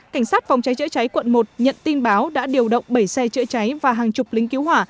cảnh sát phòng cháy chữa cháy quận một nhận tin báo đã điều động bảy xe chữa cháy và hàng chục lính cứu hỏa